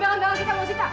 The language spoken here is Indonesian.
barang barang kita mau sita